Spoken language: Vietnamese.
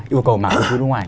yêu cầu mạng thuế nước ngoài